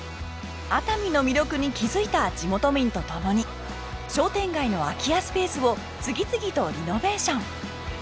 熱海の魅力に気づいた地元民と共に商店街の空き家スペースを次々とリノベーション。